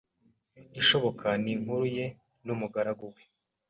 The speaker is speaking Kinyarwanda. ishoboka ninkuru ye numugaragu we